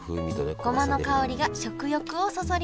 ごまの香りが食欲をそそります